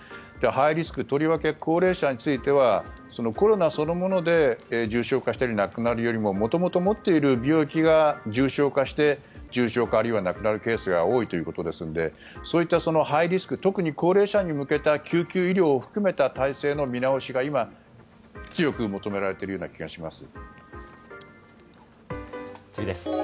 ハイリスクのとりわけ高齢者についてはコロナそのもので重症化したり亡くなるよりも元々持っている病気が重症化して重症化、あるいは亡くなるというケースが多いということですのでそういったハイリスク特に高齢者に向けた救急医療を含めた体制の見直しが今、強く求められている気がします。